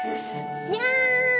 にゃん！